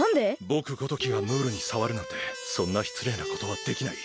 ぼくごときがムールにさわるなんてそんなしつれいなことはできない。